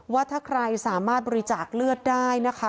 ว่าถ้าใครสามารถบริจาคเลือดได้นะคะ